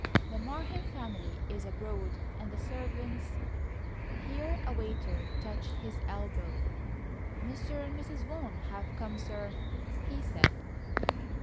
The Marheim family is abroad, and the servants...." Here a waiter touched his elbow. "Mr. and Mrs. Vaughan have come, sir," he said.